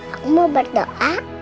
aku mau berdoa